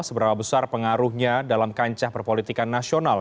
seberapa besar pengaruhnya dalam kancah perpolitikan nasional